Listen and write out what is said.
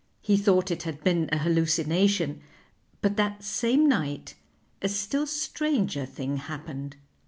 He thought it had been a hallucination, but that same night a still stranger thing happened.